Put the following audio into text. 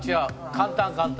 簡単簡単。